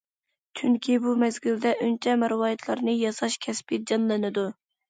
چۈنكى بۇ مەزگىلدە ئۈنچە- مەرۋايىتلارنى ياساش كەسپى جانلىنىدۇ.